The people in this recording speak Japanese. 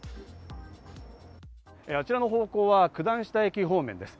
あちらの方向は九段下駅方面です。